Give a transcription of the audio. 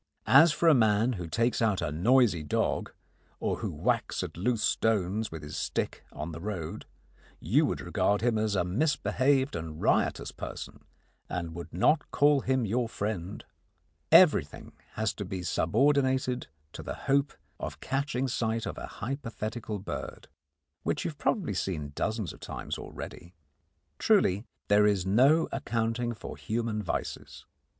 As for a man who takes out a noisy dog, or who whacks at loose stones with his stick on the road, you would regard him as a misbehaved and riotous person and would not call him your friend. Everything has to be subordinated to the hope of catching sight of a hypothetical bird which you have probably seen dozens of times already. Truly, there is no accounting for human vices.